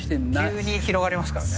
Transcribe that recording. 急に広がりますからね。